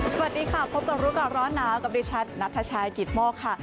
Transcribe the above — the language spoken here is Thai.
สวัสดีค่ะพบกับรู้ก่อนร้อนหนาวกับดิฉันนัทชายกิตโมกค่ะ